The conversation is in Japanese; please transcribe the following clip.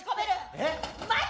えっ？